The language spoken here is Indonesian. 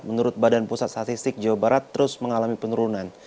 menurut badan pusat statistik jawa barat terus mengalami penurunan